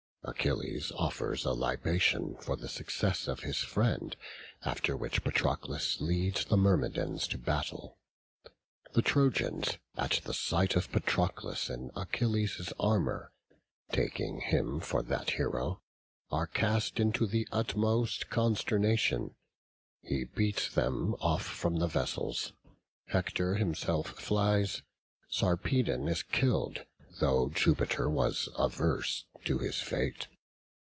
Achilles offers a libation for the success of his friend, after which Patroclus leads the Myrmidons to battle. The Trojans, at the sight of Patroclus in Achilles' armour, taking him for that hero, are cast into the utmost consternation: he beats them off from the vessels, Hector himself flies, Sarpedon is killed, though Jupiter was averse to his fate.